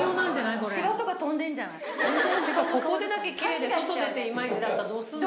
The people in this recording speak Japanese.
ここでだけきれいで外出てイマイチだったらどうするの？